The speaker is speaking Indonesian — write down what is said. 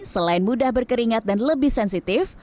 selain mudah berkeringat dan lebih sensitif